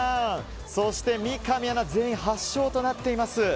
そして、三上アナ全員が８勝となっています。